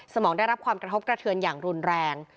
มองได้รับความกระทบกระเทือนอย่างรุนแรง